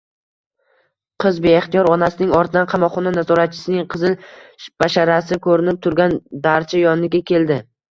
Qiz beixtiyor onasining ortidan qamoqxona nazoratchisining qizil basharasi ko`rinib turgan darcha yoniga keldi